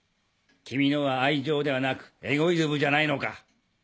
君のは愛情ではなくエゴイズムじゃないのか。